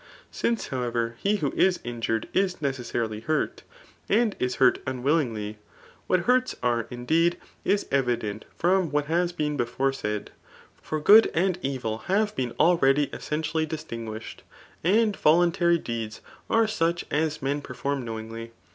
Since^ however, lie vrtio is injured is necessarily hurt, and is hurt ODwil* CHAP. XIV. RHBTORIC. 81 Iingly ; what hurts are» indeed, is evident from what has been before said. For good and evil have been already essentiaUy distinguished ; and voluntary deeds are such as men perform knowingly.